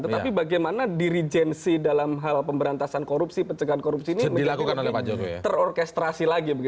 tetapi bagaimana dirijensi dalam hal pemberantasan korupsi pencegahan korupsi ini menjadi lebih terorkestrasi lagi